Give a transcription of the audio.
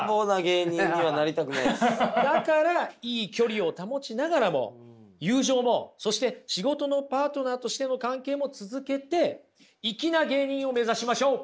だからいい距離を保ちながらも友情もそして仕事のパートナーとしての関係も続けていきな芸人を目指しましょう。